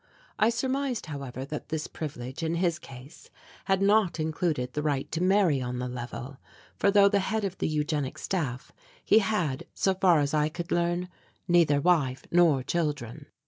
I surmised, however, that this privilege, in his case, had not included the right to marry on the level, for though the head of the Eugenic Staff, he had, so far as I could learn, neither wife nor children.